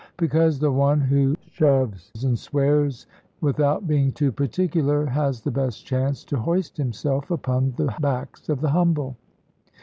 Because the one who shoves and swears without being too particular, has the best chance to hoist himself upon the backs of the humble.